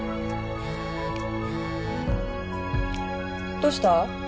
どうした？